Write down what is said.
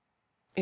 え？